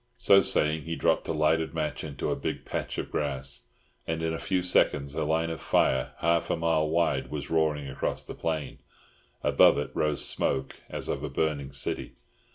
So saying, he dropped a lighted match into a big patch of grass, and in a few seconds a line of fire half a mile wide was roaring across the plain; above it rose smoke as of a burning city.